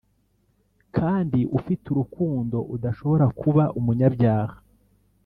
kandi ufite urukundo udashobora kuba umunyabyaha